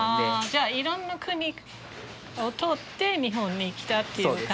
じゃあいろんな国を通って日本に来たっていう感じ？